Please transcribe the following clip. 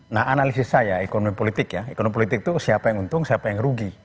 nah analisis saya ekonomi politik ya ekonomi politik itu siapa yang untung siapa yang rugi